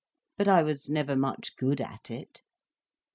But I was never much good at it."